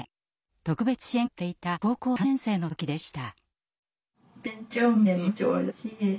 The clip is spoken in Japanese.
特別支援学校に通っていた高校３年生の時でした。